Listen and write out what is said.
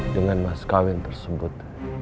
dengan mas kawin tersebut